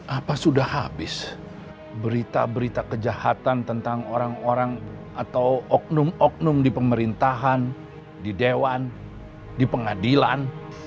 apa sudah habis berita berita kejahatan tentang orang orang atau oknum oknum di pemerintahan di dewan di pengadilan